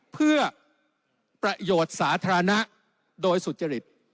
เพื่อประโยชน์สาธารณะโดยสุจริต